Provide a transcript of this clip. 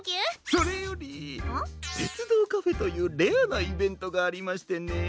それよりてつどうカフェというレアなイベントがありましてね。